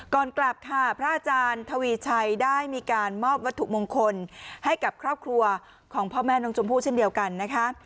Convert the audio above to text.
ก่อนกลับค่ะพระอาจารย์ทวีชัยได้มีการมอบวัตถุมงคลให้กับครอบครัวของพ่อแม่น้องชมพู่เช่นเดียวกันนะคะ